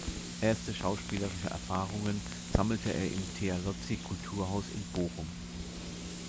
Erste schauspielerische Erfahrungen sammelte er im Thealozzi-Kulturhaus in Bochum.